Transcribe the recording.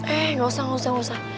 eh gak usah gak usah gak usah